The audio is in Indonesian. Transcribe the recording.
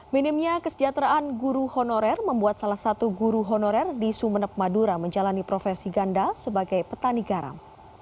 minimnya kesejahteraan guru honorer membuat salah satu guru honorer di sumeneb madura menjalani profesi ganda sebagai petani garam